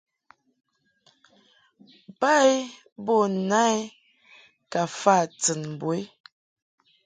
Ba i bo na i ka fa tɨn mbo i.